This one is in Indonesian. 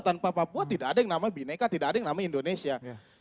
tanpa papua tidak ada yang namanya bineka tidak ada yang namanya indonesia